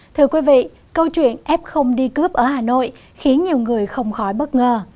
thưa quý vị câu chuyện ép không đi cướp ở hà nội khiến nhiều người không khỏi bất ngờ